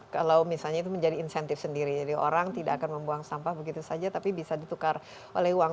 kalau misalnya itu menjadi insentif sendiri jadi orang tidak akan membuang sampah begitu saja tapi bisa ditukar oleh uang